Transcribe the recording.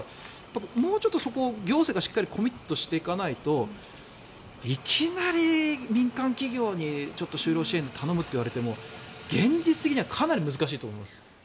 もうちょっとそこを行政がしっかりコミットしていかないといきなり民間企業に就労支援、頼むと言われても現実的にはかなり難しいと思います。